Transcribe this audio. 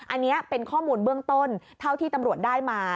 อันนี้เป็นข้อมูลเบื้องต้นเท่าที่ตำรวจได้มา